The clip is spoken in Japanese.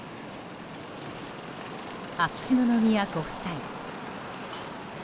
秋篠宮ご夫妻。